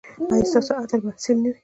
ایا ستاسو عطر به اصیل نه وي؟